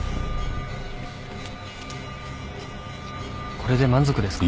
これで満足ですか？